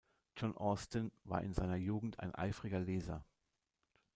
John Austin war in seiner Jugend ein eifriger Leser.